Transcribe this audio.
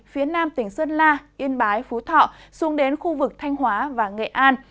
phía nam tỉnh sơn la yên bái phú thọ xuống đến khu vực thanh hóa và nghệ an